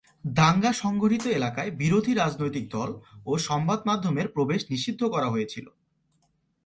দাঙ্গা সংঘটিত এলেকায় বিরোধী রাজনৈতিক দল ও সংবাদ মাধ্যমের প্রবেশ নিষিদ্ধ করা হয়েছিল।